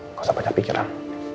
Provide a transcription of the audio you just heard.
nggak usah banyak pikiran